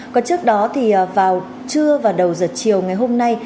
còn trước đó thì vào trưa và đầu giờ chiều ngày hôm nay